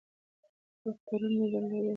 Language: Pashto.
خو ترونه مې درلودل.